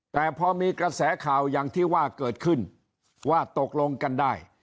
แต่พอมีกระแสข่าวอย่างที่ว่าเกิดขึ้นว่าตกลงกันได้